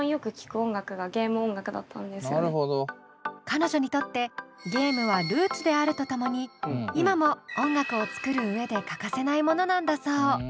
彼女にとってゲームはルーツであるとともに今も音楽を作る上で欠かせないものなんだそう。